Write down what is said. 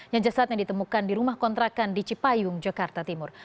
yang jasadnya ditemukan di rumah kontrakan di cipayung jakarta timur